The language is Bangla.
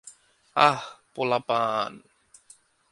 আঃ, পোলাপান।